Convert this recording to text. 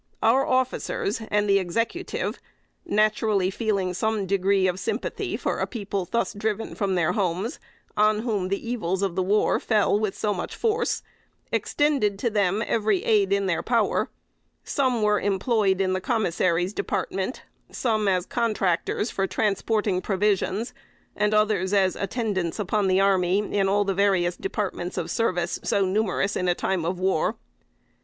Our officers, and the Executive, naturally feeling some degree of sympathy for a people thus driven from their homes, on whom the evils of war fell with so much force, extended to them every aid in their power. Some were employed in the Commissary's Department; some as contractors for transporting provisions; and others as attendants upon the army in all the various departments of service, so numerous in a time of war.